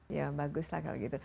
ya bagus lah kalau gitu